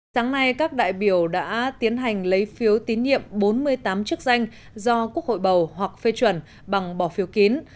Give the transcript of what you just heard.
sáng nay các đại biểu đã tiến hành lấy phiếu tín nhiệm bốn mươi tám chức danh do quốc hội bầu hoặc phê chuẩn bằng bỏ phiếu kín